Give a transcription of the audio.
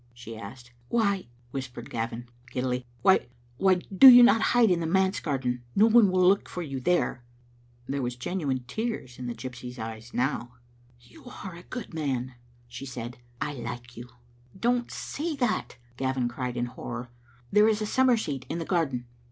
she asked. "Why—" whispered Gavin, giddily, "why — why do you not hide in the manse garden? — No one will look for you there." There were genuine tears in the gypsy's eyes now. "You are a good man," she said; " I like you." "Don't say that," Gavin cried in horror. "There is a summer seat in the garden."